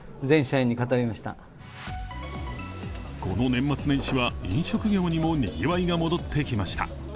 この年末年始は飲食業にもにぎわいが戻ってきました。